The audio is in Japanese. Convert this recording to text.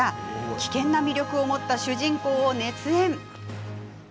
危険な魅力を持った主人公を熱演。